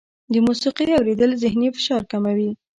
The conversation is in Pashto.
د موسیقۍ اورېدل ذهني فشار کموي.